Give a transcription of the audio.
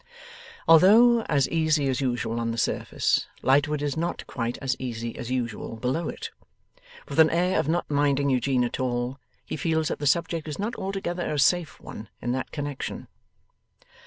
Although as easy as usual on the surface, Lightwood is not quite as easy as usual below it. With an air of not minding Eugene at all, he feels that the subject is not altogether a safe one in that connexion.